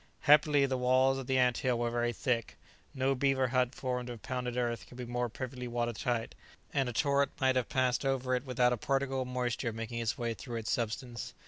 Happily, the walls of the ant hill were very thick; no beaver hut formed of pounded earth could be more perfectly water tight, and a torrent might have passed over it without a particle of moisture making its way through its substance.